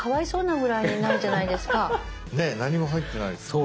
ねえ何も入ってないですね。